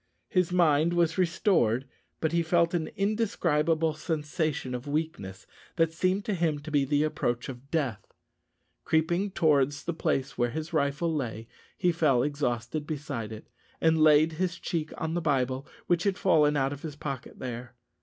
His mind was restored, but he felt an indescribable sensation of weakness, that seemed to him to be the approach of death. Creeping towards the place where his rifle lay, he fell exhausted beside it, and laid his cheek on the Bible, which had fallen out of his pocket there.